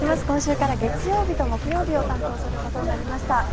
今週から月曜日と木曜日を担当することになりました。